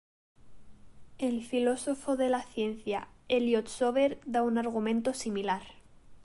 El filósofo de la ciencia Elliott Sober da un argumento similar.